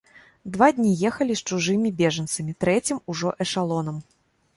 Два дні ехалі з чужымі бежанцамі трэцім ужо эшалонам.